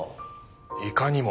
いかにも。